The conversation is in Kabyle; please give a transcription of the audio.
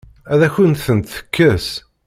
Ad akent-tent-tekkes?